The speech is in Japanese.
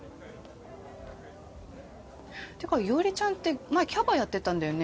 ってか伊織ちゃんって前キャバやってたんだよね？